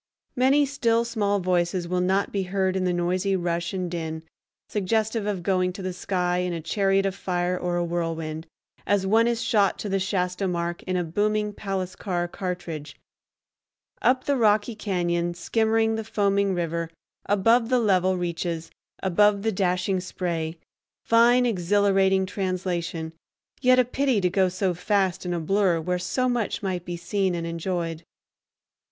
Many still small voices will not be heard in the noisy rush and din, suggestive of going to the sky in a chariot of fire or a whirlwind, as one is shot to the Shasta mark in a booming palace car cartridge; up the rocky cañon, skimming the foaming river, above the level reaches, above the dashing spray—fine exhilarating translation, yet a pity to go so fast in a blur, where so much might be seen and enjoyed.